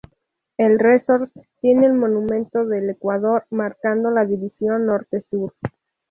El resort tiene el monumento del ecuador, marcando la división norte-sur.